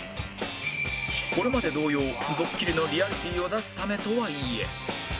これまで同様ドッキリのリアリティを出すためとはいえ